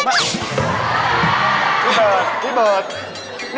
พี่เบิร์ด